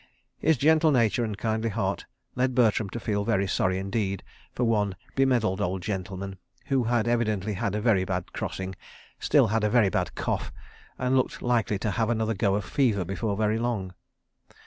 His gentle nature and kindly heart led Bertram to feel very sorry indeed for one bemedalled old gentleman who had evidently had a very bad crossing, still had a very bad cough, and looked likely to have another go of fever before very long.